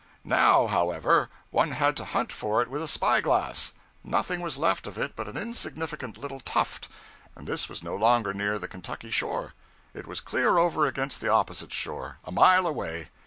Now, however, one had to hunt for it with a spy glass. Nothing was left of it but an insignificant little tuft, and this was no longer near the Kentucky shore; it was clear over against the opposite shore, a mile away.